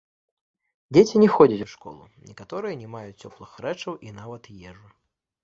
Дзеці не ходзяць у школу, некаторыя не маюць цёплых рэчаў і нават ежы.